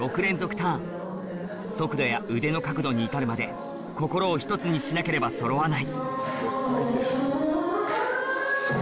ターン速度や腕の角度に至るまで心を一つにしなければ揃わない